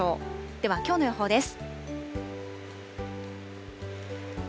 では、きょうの予報です。